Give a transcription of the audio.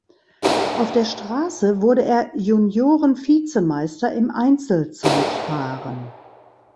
Auf der Straße wurde er Junioren-Vizemeister im Einzelzeitfahren.